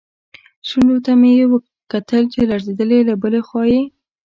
شونډو ته مې یې کتل چې لړزېدلې، له بلې خوا یې.